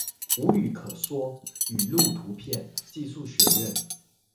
无话可说语录图片技术学院